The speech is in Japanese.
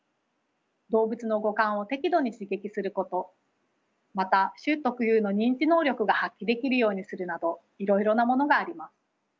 動物の五感を適度に刺激することまた種特有の認知能力が発揮できるようにするなどいろいろなものがあります。